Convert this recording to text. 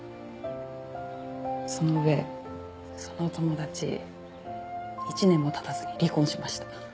その上その友達１年も経たずに離婚しました。